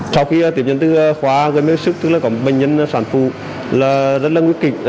sau khi tiệm nhân tư khóa gần mấy sức tức là bệnh nhân sản phụ là rất là nguyên kịch